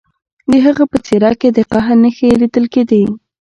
د هغه په څیره کې د قهر نښې لیدل کیدې